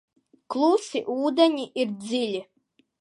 Klusi ūdeņi ir dziļi.